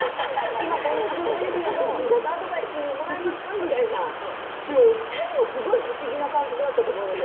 今、こういう状態ですけれどもアドバイスをもらえますかってでも２人もすごい不思議な感覚だったと思いますよ。